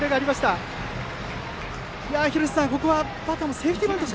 セーフティーバントだ。